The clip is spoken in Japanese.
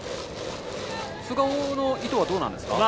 菅生の意図はどうなんですか？